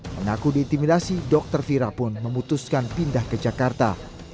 mengaku diintimidasi dokter fira pun memutuskan pindah ke jakarta